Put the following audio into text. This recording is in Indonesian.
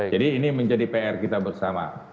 jadi ini menjadi pr kita bersama